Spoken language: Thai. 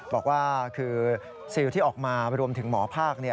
บอกว่าคือซิลที่ออกมารวมถึงหมอภาค